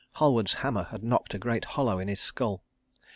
Halward's hammer had knocked a great hollow in his skull.